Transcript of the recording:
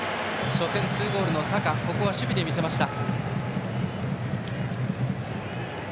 初戦２ゴールのサカがここは守備で見せました。